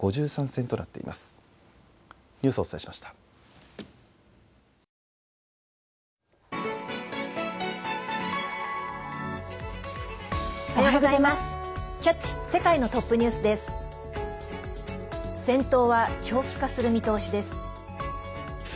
戦闘は長期化する見通しです。